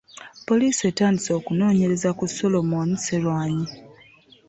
Poliisi etandise okunoonyereza ku Solomon Sserwanyi.